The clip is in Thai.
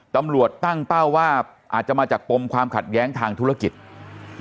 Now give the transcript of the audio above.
ตำรวจตั้งเป้าว่าอาจจะมาจากปมความขัดแย้งทางธุรกิจ